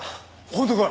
本当か？